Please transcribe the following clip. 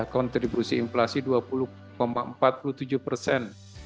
kontribusi inflasi dua puluh empat puluh tujuh persen